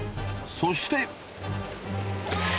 そして。